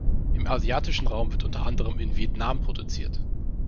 Im asiatischen Raum wird unter anderem in Vietnam produziert.